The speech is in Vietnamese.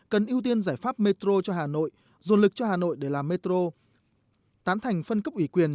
cần ưu tiên giải pháp metro cho hà nội dồn lực cho hà nội để làm metro tán thành phân cấp ủy quyền